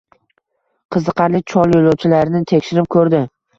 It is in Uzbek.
Qiziqarli! Chol yo'lovchilarni tekshirib ko'rdi